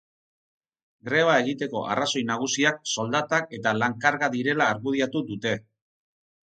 Greba egiteko arrazoi nagusiak soldatak eta lan-karga direla argudiatu dute.